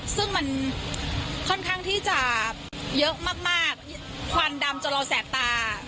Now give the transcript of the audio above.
ซึ่งมันค่อนข้างที่จะเยอะมากควันดำจะรอแสบตา